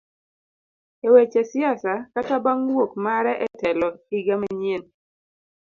Eweche siasa kata bang wuok mare etelo iga manyien.